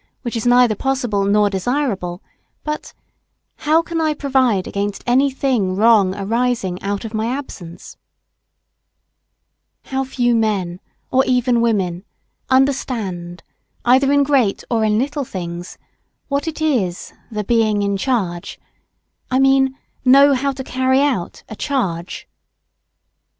which is neither possible nor desirable, but) how can I provide against anything wrong arising out of my absence? [Sidenote: What it is to be "in charge."] How few men, or even women, understand, either in great or in little things, what it is the being "in charge" I mean, know how to carry out a "charge."